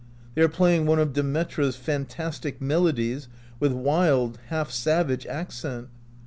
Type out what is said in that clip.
They are playing one of De Metra's fantastic melodies with wild, half savage accent.